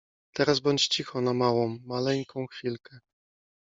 Teraz bądź cicho na małą, maleńką chwilkę…